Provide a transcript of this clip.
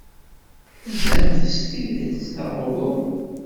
Tezhamt s tidet, neɣ uhu?